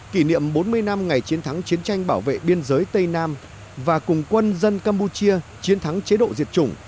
kỷ niệm bốn mươi năm ngày chiến thắng chiến tranh bảo vệ biên giới tây nam và cùng quân dân campuchia chiến thắng chế độ diệt chủng